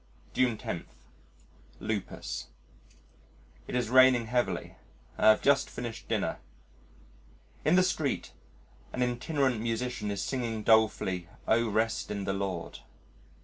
June 10 Lupus It is raining heavily. I have just finished dinner. In the street an itinerant musician is singing dolefully, "O Rest in the Lord."